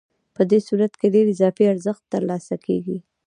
په دې صورت کې ډېر اضافي ارزښت ترلاسه کېږي